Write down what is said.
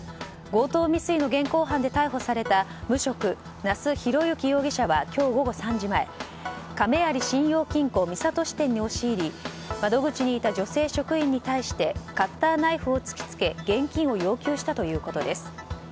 強盗未遂の疑いで現行犯で逮捕された無職、那須博幸容疑者は今日午後３時前亀有信用金庫三郷支店に押し入り窓口にいた女性職員に対してカッターナイフを突き付け現金を要求したということです。